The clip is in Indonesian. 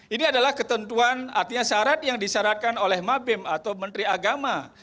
ini adalah ketentuan artinya syarat yang disyaratkan oleh mabim atau menteri agama